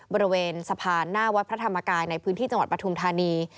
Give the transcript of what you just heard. บริเวณสะพานหน้าวัดพระธรรมกายในพื้นที่จังหวัดปฐุมธานี